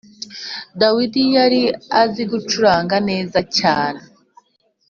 Dawidi yari azi gucuranga neza cyane.